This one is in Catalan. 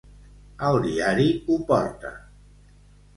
El diari ho porta.